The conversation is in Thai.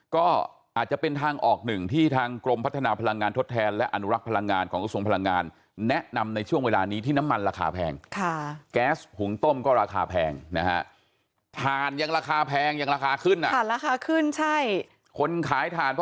ก็อาจจะเป็นทางออกหนึ่งที่ทางกรมพัฒนาพลังงานทดแทนและอนุรักษ์พลังงานของกระทรวงพลังงาน